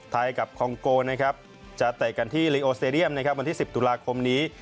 ไทยกับคองโกนะครับจะเตะกันที่ลิโอสเตรเลียมนะครับวันที่๑๐ตุลาคมนี้